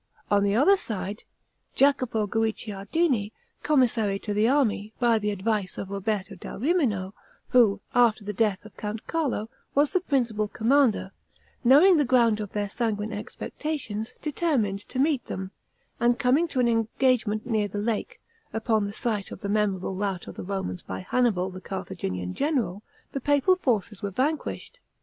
On the other side, Jacopo Guicciardini, commissary to the army, by the advice of Roberto da Rimino, who, after the death of Count Carlo, was the principal commander, knowing the ground of their sanguine expectations, determined to meet them, and coming to an engagement near the lake, upon the site of the memorable rout of the Romans, by Hannibal, the Carthaginian general, the papal forces were vanquished.